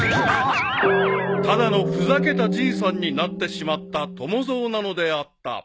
［ただのふざけたじいさんになってしまった友蔵なのであった］